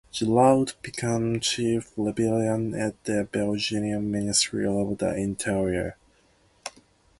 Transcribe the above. Giraud became chief librarian at the Belgian Ministry of the Interior.